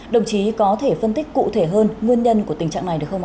đồng chí có thể phân tích cụ thể hơn nguyên nhân của tình trạng này được không ạ